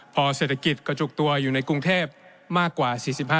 พอเศรษฐกิจกระจุกตัวอยู่ในกรุงเทพมากกว่า๔๕